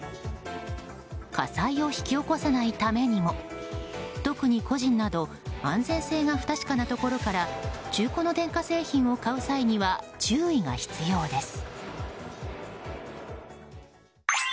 火災を引き起こさないためにも特に個人など安全性が不確かなところから中古の電化製品を買う際には注意が必要です。